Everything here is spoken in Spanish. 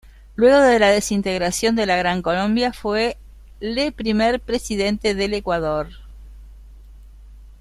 Luego de la desintegración de la Gran Colombia fue le primer presidente del Ecuador.